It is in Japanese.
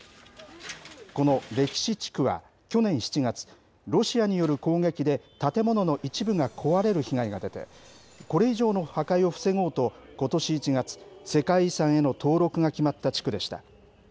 この歴史地区は、去年７月、ロシアによる攻撃で、建物の一部が壊れる被害が出て、これ以上の破壊を防ごうと、ことし１月、世界遺産への登録が決まった地区でした。